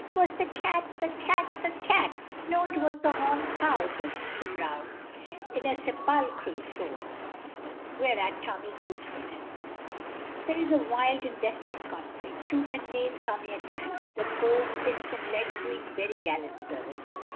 "'Twas the cat the cat the cat!" "No; 'twas the horned cow," says Mr. Browne, in a sepulchral tone, whereat Tommy goes for him. There is a wild and desperate conflict. Tooth and nail Tommy attacks, the foe, fists and legs doing very gallant service.